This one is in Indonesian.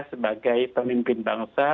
sebagai pemimpin bangsa